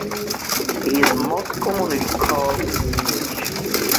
He is most commonly called in English.